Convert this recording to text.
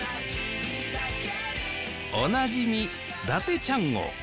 おなじみ伊達ちゃん号